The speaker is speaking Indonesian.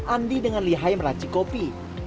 andi dengan lihai meraci kopi